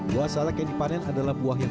buah salak yang dipanen adalah buah yang